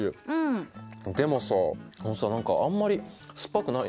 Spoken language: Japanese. でもさあのさ何かあんまりすっぱくないね。